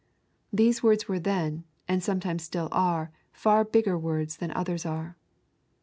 These words were then, and sometimes still are, far bigger words than others are.